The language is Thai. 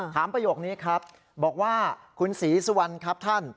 ประโยคนี้ครับบอกว่าคุณศรีสุวรรณครับท่าน